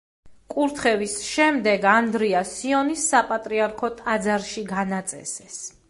კურთხევის შემდეგ ანდრია სიონის საპატრიარქო ტაძარში განაწესეს.